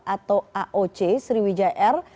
atau aoc sriwijaya air